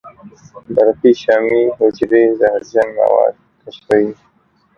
برقي شامي حجرې زهرجن مواد کشفوي.